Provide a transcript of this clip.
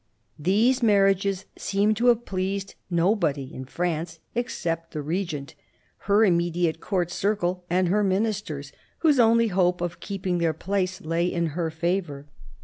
These marriages seem to have pleased nobody in France except the Regent, her immediate Court circle and her Ministers, whose only hope of keeping their place lay in her favour.